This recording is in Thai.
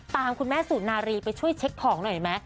คุณแม่สุนารีไปช่วยเช็คของหน่อยไหม